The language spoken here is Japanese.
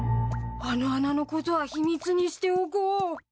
あの穴のことは秘密にしておこう。